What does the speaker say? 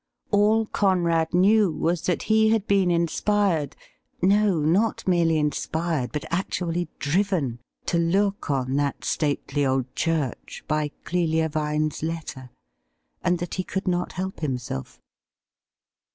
All Conrad knew was that he had been inspired — ^no, not merely inspired, but actually driven, to look on that stately old church by Clelia Vine's letter, and that he could not help himself.